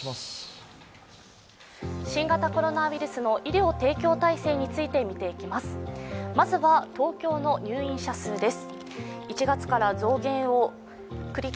新型コロナウイルスの医療提供体制について見ていきます。